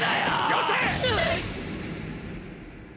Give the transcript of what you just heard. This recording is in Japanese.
よせ！！